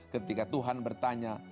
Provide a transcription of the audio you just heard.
ketika tuhan bertanya